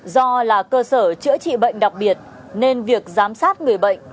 do là cơ sở chữa trị bệnh đặc biệt nên việc giám sát người bệnh